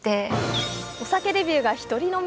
お酒デビューが１人飲み？